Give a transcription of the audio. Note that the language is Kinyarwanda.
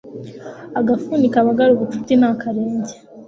agafuni kabagara ubucuti ni akarenge